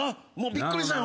びっくりしたよ